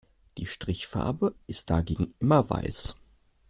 Die Strichfarbe ist dagegen immer weiß.